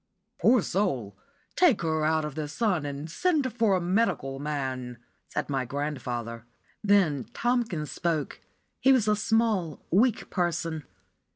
"Poor soul! Take her out of the sun and send for a medical man," said my grandfather. Then Tomkins spoke. He was a small, weak person.